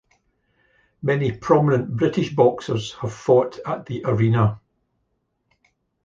Many prominent British boxers have fought at the Arena.